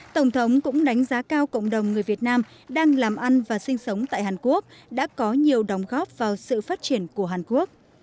tổng thống cũng đánh giá cao cộng đồng người việt nam đang làm ăn và sinh sống tại hàn quốc đã có nhiều đóng góp vào sự phát triển của hàn quốc